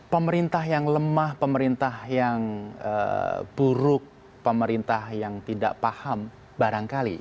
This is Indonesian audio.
pemerintah yang lemah pemerintah yang buruk pemerintah yang tidak paham barangkali